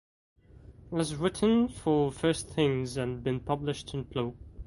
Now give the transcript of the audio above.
He has written for "First Things" and been published in Plough.